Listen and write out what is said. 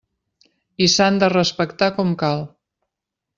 I s'han de respectar com cal.